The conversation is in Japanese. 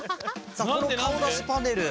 さあこのかおだしパネル